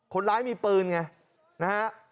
คนร้ายมีปืนไงนะครับ